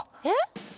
え？